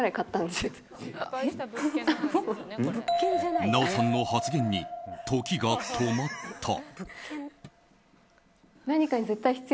奈緒さんの発言に時が止まった。